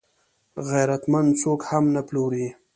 غیرتمند څوک هم نه پلوري